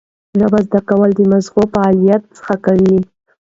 ژبه زده کول د مغزي فعالیت ښه کوي.